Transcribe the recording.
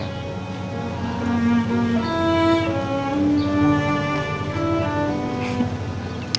aku juga ingin mencintai kamu